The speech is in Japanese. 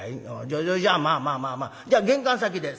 じゃじゃじゃまあまあまあまあじゃ玄関先で。